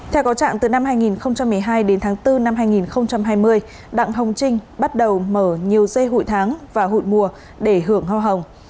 theo có trạng từ năm hai nghìn một mươi hai đến tháng bốn năm hai nghìn hai mươi đặng hồng trinh bắt đầu mở nhiều dây hụi tháng và hụi mùa để hưởng hoa hồng